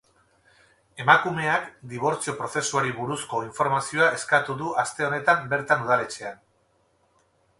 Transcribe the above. Emakumeak dibortzio prozesuari buruzko informazioa eskatu du aste honetan bertan udaletxean.